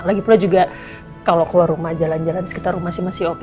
lagi pula juga kalau keluar rumah jalan jalan sekitar rumah sih masih oke